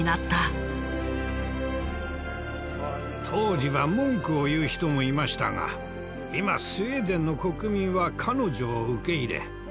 当時は文句を言う人もいましたが今スウェーデンの国民は彼女を受け入れ応援しています。